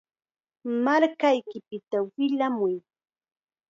Markaypita willamuy.